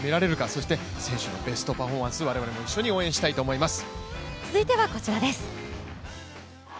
そして選手のベストパフォーマンス我々も一緒に応援したいと思います。